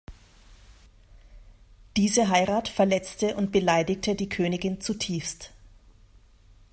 Diese Heirat verletzte und beleidigte die Königin zutiefst.